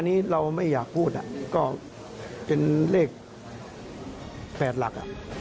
อันนี้เราไม่อยากพูดก็เป็นเลข๘หลัก